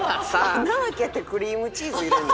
穴開けてクリームチーズ入れるの？